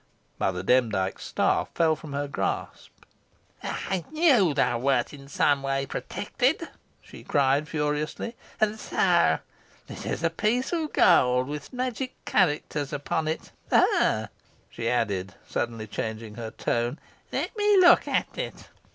Mother Demdike's staff fell from her grasp. "I knew thou wert in some way protected," she cried furiously. "And so it is a piece of gold with magic characters upon it, eh?" she added, suddenly changing her tone; "Let me look at it."